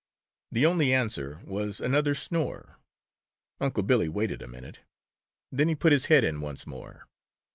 The only answer was another snore. Unc' Billy waited a minute. Then he put his head in once more.